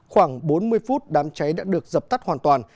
khoảng bốn mươi phút đám cháy đã được dập tắt hoàn toàn